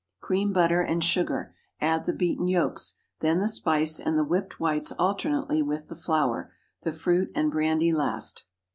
Cream butter and sugar; add the beaten yolks, then the spice and the whipped whites alternately with the flour; the fruit and brandy last.